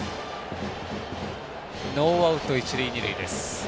ノーアウト、一塁二塁です。